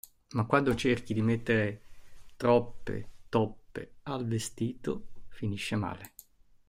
Ma quando cerchi di mettere troppe toppe al vestito, finisce male.